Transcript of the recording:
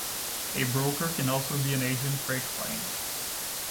A broker can also be an agent for a client.